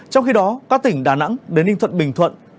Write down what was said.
trong khi đó các tỉnh đà nẵng đến ninh thuận bình thuận